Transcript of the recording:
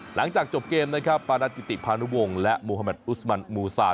หลังจากจบเกมนะครับปานากิติพานุวงศ์และมูฮาแมทอุสมันมูซา